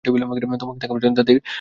তোমাকে দেখার জন্য দাদীর তর সইছে না।